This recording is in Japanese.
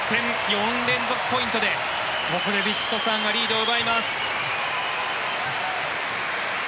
４連続ポイントでここでヴィチットサーンがリードを奪います。